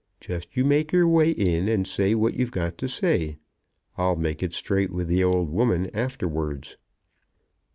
Just you make your way in, and say what you've got to say. I'll make it straight with the old woman afterwards."